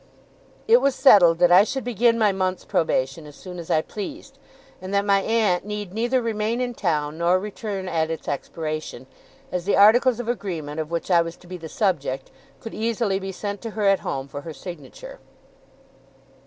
It was settled that I should begin my month's probation as soon as I pleased, and that my aunt need neither remain in town nor return at its expiration, as the articles of agreement, of which I was to be the subject, could easily be sent to her at home for her signature.